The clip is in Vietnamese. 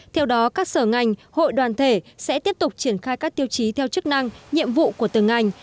theo đó các sở ngành hội đoàn thể sẽ tiếp tục triển khai các tiêu chí theo chức năng nhiệm vụ của từng ngành